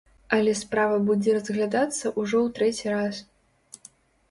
Але справа будзе разглядацца ўжо ў трэці раз.